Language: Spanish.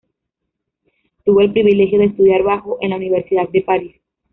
Tuvo el privilegio de estudiar bajo en la Universidad de París.